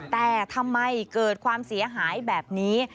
แต่ทำไมเกิดความเสียหายแบบนี้